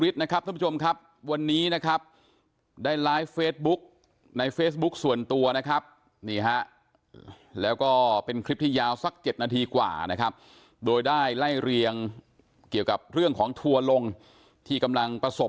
เสร็จนาทีกว่านะครับโดยได้ไล่เรียงเกี่ยวกับเรื่องของทัวร์ลง